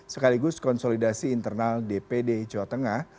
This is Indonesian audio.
sekaligus konsolidasi internal dpd jawa tengah